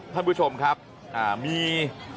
ท่านผู้ชมครับมี